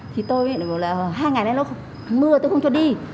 thì tôi thì bảo là hai ngày nay nó mưa tôi không cho đi